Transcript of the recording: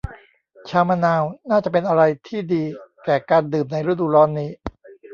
ชามะนาวน่าจะเป็นอะไรที่ดีแก่การดื่มในฤดูร้อนนี้